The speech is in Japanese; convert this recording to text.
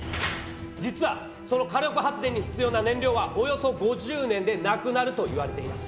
実はその火力発電に必要な燃料はおよそ５０年で無くなるといわれています。